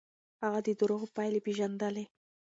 هغه د دروغو پايلې پېژندلې.